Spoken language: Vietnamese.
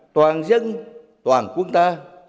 toàn dân toàn quân ta